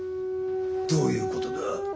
どういうことだ？